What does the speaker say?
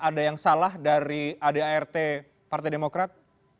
ada yang salah dari adart partai demokrat